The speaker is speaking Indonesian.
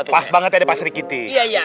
pas banget ya pak sri kiti